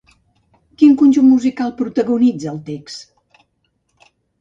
Quin conjunt musical protagonitza el text?